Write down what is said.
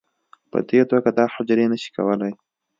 په دې توګه دا حجرې نه شي کولی